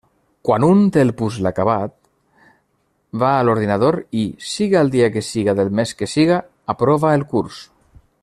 Quan un té el puzle acabat, va a l'ordinador i, siga el dia que siga del mes que siga, aprova el curs.